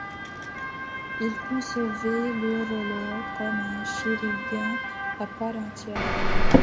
Il concevait l'urologue comme un chirurgien à part entière.